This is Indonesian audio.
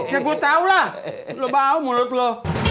ya gue tau lah lo bau mulut lo